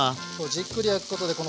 じっくり焼くことでこの皮？